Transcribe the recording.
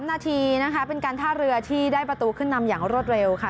นาทีนะคะเป็นการท่าเรือที่ได้ประตูขึ้นนำอย่างรวดเร็วค่ะ